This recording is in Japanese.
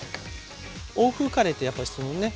欧風カレーってやっぱりそのね